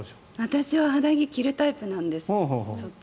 私は肌着を着るタイプなのでそっち。